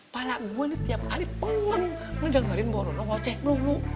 pala gue ini tiap hari pong ngedengerin borono wawceh melulu